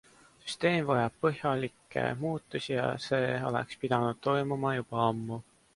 Süsteem vajab põhjalike muutusi ja see oleks pidanud toimuma juba ammu.